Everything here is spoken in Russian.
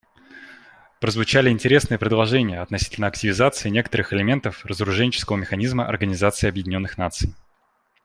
Прозвучали интересные предложения относительно активизации некоторых элементов разоруженческого механизма Организации Объединенных Наций.